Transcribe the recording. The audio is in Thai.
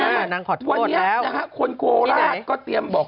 วันนี้นะฮะคนโคราชก็เตรียมบอก